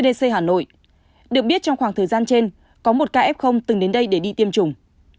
được biết trong khoảng thời gian trên có một ca f từng đến đây để đi tiêm chủng